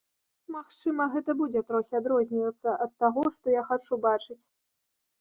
Магчыма, гэта будзе трохі адрознівацца ад таго, што я хачу бачыць.